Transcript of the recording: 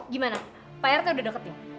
gimana payarannya udah deket ya